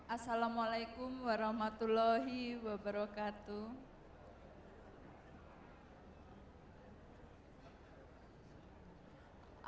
assalamualaikum warahmatullahi wabarakatuh